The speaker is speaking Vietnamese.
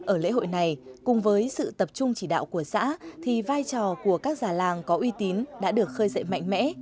ở lễ hội này cùng với sự tập trung chỉ đạo của xã thì vai trò của các già làng có uy tín đã được khơi dậy mạnh mẽ